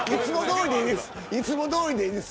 いつもどおりでいいです。